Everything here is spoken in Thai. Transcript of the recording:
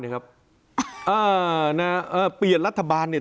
เอ้อนะนะเอ้อเปลี่ยนรัฐบาลเนี่ย